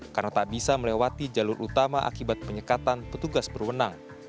karena tak bisa melewati jalur utama akibat penyekatan petugas berwenang